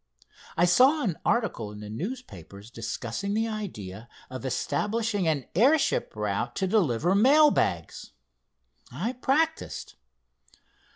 I saw an article in the newspapers discussing the idea of establishing an airship route to deliver mail bags. I practiced.